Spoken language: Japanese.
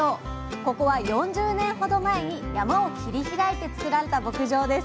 ここは４０年ほど前に山を切り開いて作られた牧場です